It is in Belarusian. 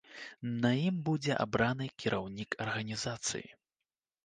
На ім будзе абраны кіраўнік арганізацыі.